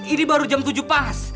ini baru jam tujuh pas